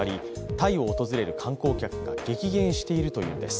タイを訪れる観光客が激減しているというんです。